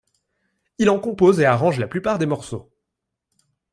Il en compose et arrange la plupart des morceaux.